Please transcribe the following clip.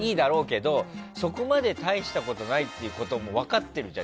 そこまで大したことないということも分かってるじゃん